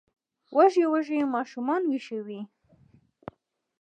وږي وږي ماشومان ویښوي